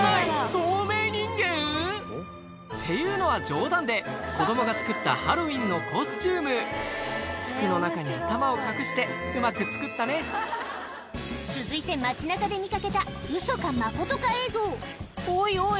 透明人間⁉っていうのは冗談で子供が作ったハロウィーンのコスチューム服の中に頭を隠してうまく作ったね続いて町中で見掛けたウソかマコトか映像おいおい